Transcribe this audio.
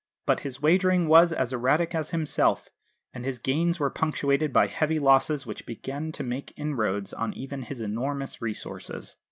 But his wagering was as erratic as himself, and his gains were punctuated by heavy losses which began to make inroads on even his enormous resources.